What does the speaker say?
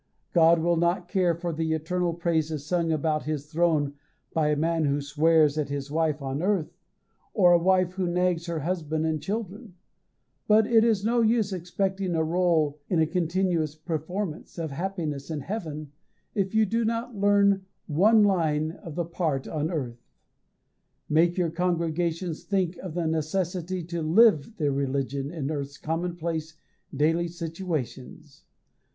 God will not care for the eternal praises sung about his throne by a man who swears at his wife on earth, or a wife who nags her husband and children. It is no use expecting a rôle in a continuous performance of happiness in heaven, if you do not learn one line of the part on earth. Make your congregations think of the necessity to live their religion in earth's commonplace daily situations.